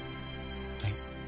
はい？